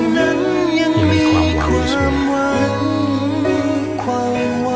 นึกยังมีความหวัง